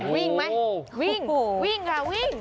วิ่งไหมวิ่งวิ่งค่ะวิ่ง